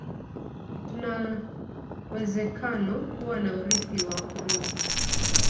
tunawezekano kuwa na urithi wa kudumu